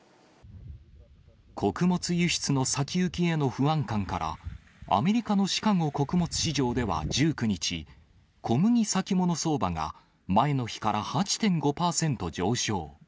穀物輸出の先行きへの不安感から、アメリカのシカゴ穀物市場では１９日、小麦先物相場が前の日から８．５％上昇。